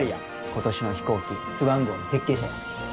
今年の飛行機スワン号の設計者や。